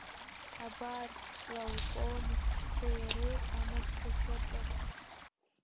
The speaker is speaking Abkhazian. Абар Лаокоон ихәҷқәеи иареи амаҭқәа ишыркыз.